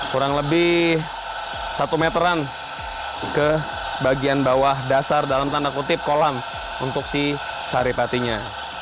kurang lebih satu meteran ke bagian bawah dasar dalam tanda kutip kolam untuk si saripatinya